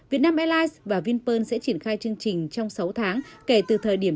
vietnam airlines và vinpearl sẽ triển khai chương trình trong sáu tháng kể từ thời điểm